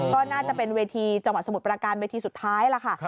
ก็น่าจะเป็นเวทีจังหวัดสมุทรประการเวทีสุดท้ายล่ะค่ะ